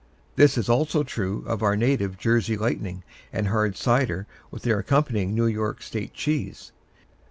This is also true of our native Jersey Lightning and hard cider with their accompanying New York State cheese.